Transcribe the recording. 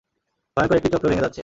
ভয়ংকর একটি চক্র ভেঙে যাচ্ছে।